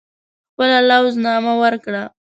خپله لوز نامه ورکړه.